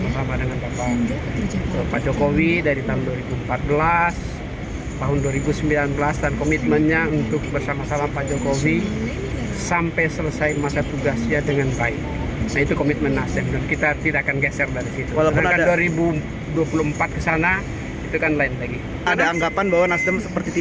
ada anggapan bahwa nasdem seperti tidak dianggap